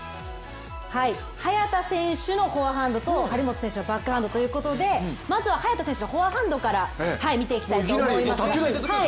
早田選手のフォアハンドと張本選手のバックハンドということでまず早田さんのフォアハンドから見ていきたいと思います。